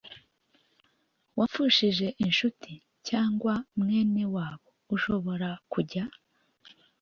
wapfushije incuti cyangwa mwene wabo ashobora kujya